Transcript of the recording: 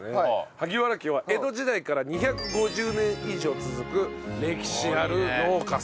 萩原家は江戸時代から２５０年以上続く歴史ある農家さん。